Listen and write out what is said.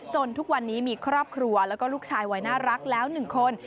ทุกวันนี้มีครอบครัวแล้วก็ลูกชายวัยน่ารักแล้ว๑คน